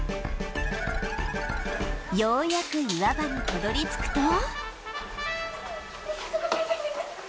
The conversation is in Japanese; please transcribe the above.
ようやく岩場にたどり着くと